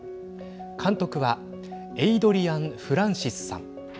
監督はエイドリアン・フランシスさん。